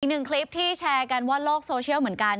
อีกหนึ่งคลิปที่แชร์กันว่าโลกโซเชียลเหมือนกัน